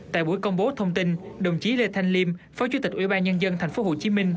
tại buổi công bố thông tin đồng chí lê thanh liêm phó chủ tịch ủy ban nhân dân tp hcm